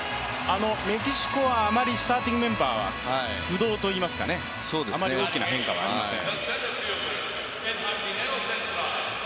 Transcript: メキシコはあまりスターティングメンバーは不動といいますかあまり大きな変化はありません。